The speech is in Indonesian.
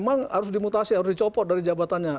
kalau terkena permutasi harus dicopot dari jabatannya